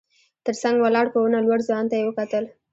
تر څنګ ولاړ په ونه لوړ ځوان ته يې وکتل.